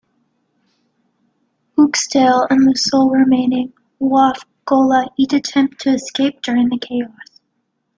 Uxtal and the sole remaining Waff ghola each attempt to escape during the chaos.